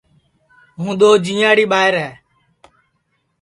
ہُوں دؔو جِئیئاڑی ٻائیر ہے